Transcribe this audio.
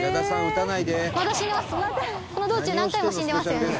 この道中何回も死んでますよね。